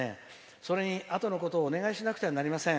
それに、あとのことをお願いしなくてはなりません。